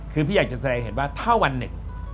คือพี่อยากจะแสดงเห็นว่าถ้าวันหนึ่ง